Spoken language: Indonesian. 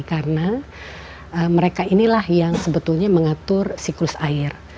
karena mereka inilah yang sebetulnya mengatur siklus air